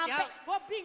oh bingung nyebutinnya